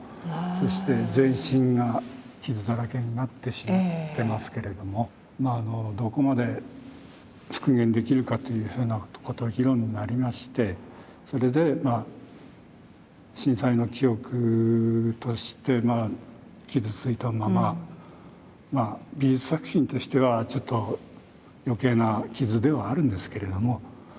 そして全身が傷だらけになってしまってますけれどもどこまで復元できるかというふうなことが議論になりましてそれで震災の記憶として傷ついたまままあ美術作品としてはちょっと余計な傷ではあるんですけれども。